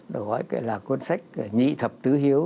đó gọi là cuốn sách nhị thập tứ hiếu